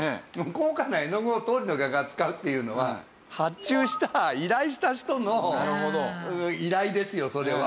高価な絵の具を当時の画家が使うっていうのは発注した依頼した人の依頼ですよそれは。